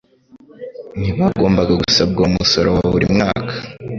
ntibagombaga gusabwa uwo musoro wa buri mwaka.